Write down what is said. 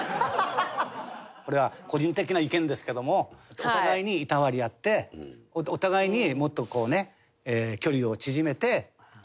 これは個人的な意見ですけどもお互いにいたわり合ってお互いにもっとこうね距離を縮めて褒めてあげる。